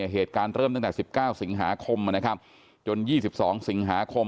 เหตุการณ์เริ่มตั้งแต่๑๙สิงหาคมนะครับจน๒๒สิงหาคม